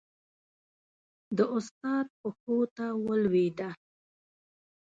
د استاد پښو ته ولوېده.